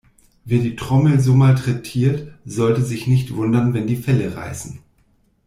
Wer die Trommel so malträtiert, sollte sich nicht wundern, wenn die Felle reißen.